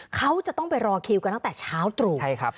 เขาจะต้องไปรอคิวตั้งแต่เช้าตรุบ